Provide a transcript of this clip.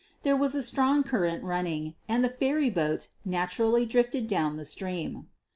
There was a strong current running and the ferry boat naturally drifted down the stream.